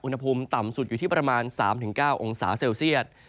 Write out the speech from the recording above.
อุณหภูมิต่ำสุดอยู่ที่ประมาณ๓๙องศาเซลเซียต